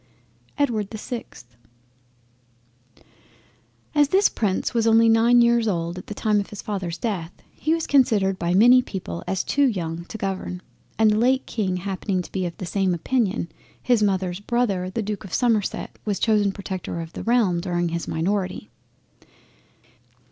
EDWARD the 6th As this prince was only nine years old at the time of his Father's death, he was considered by many people as too young to govern, and the late King happening to be of the same opinion, his mother's Brother the Duke of Somerset was chosen Protector of the realm during his minority.